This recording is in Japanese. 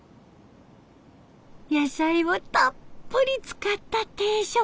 野菜をたっぷり使った定食。